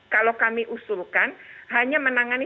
kalau kami usulkan hanya menangani